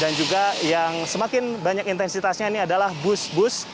dan juga yang semakin banyak intensitasnya ini adalah bus bus